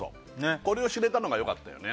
これを知れたのがよかったよね